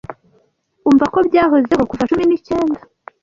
Umva ko byahozeho kuva cumi n'icyenda